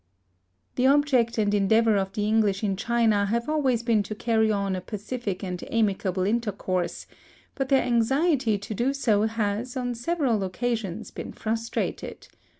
The object and endeavour of the English in China have always been to carry on a pacific and amicable intercourse, but their anxiety to do so has, on several occasions, been frustrated.